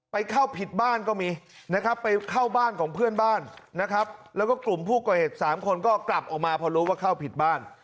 ไปเข้าผิดบ้านก็มีนะครับไปเข้าบ้านของเพื่อนบ้านนะครับแล้วก็กลุ่มผู้ก่อเหตุ๓คนก็กลับออกมาพอรู้ว่าเข้าผิดบ้าน